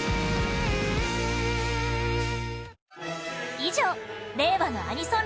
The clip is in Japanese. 以上令和のアニソン